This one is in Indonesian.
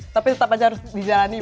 tapi tetap aja harus dijalani begitu ya